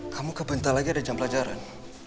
kamu kebentar lagi ada jam pelajaran